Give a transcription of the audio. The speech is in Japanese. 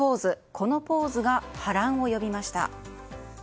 このポーズが波乱を呼びました。